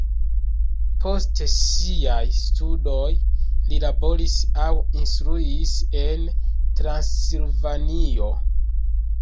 Post siaj studoj li laboris aŭ instruis en Transilvanio.